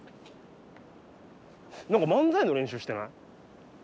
何か漫才の練習してない？